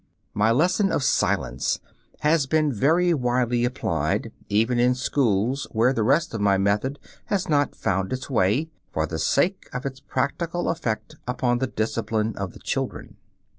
My "lesson of silence" has been very widely applied, even in schools where the rest of my method has not found its way, for the sake of its practical effect upon the discipline of the children.